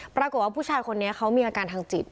ปรากฏว่าผู้ชายคนนี้เขามีอาการทางจิต